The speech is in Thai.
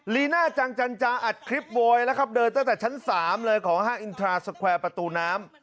ลีน่าจังจันจาอัดคลิปโวยนะครับเดินตั้งแต่ชั้น๓เลยของห้างอินทราสแควร์ประตูน้ำ